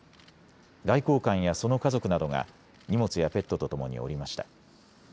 外交官やその家族などが荷物やペットとともに降りました。